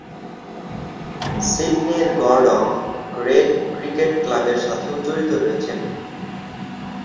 সিডনির Gordon grade cricket ক্লাবের সাথেও জড়িত রয়েছেন।